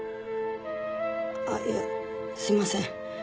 あっいやすいません。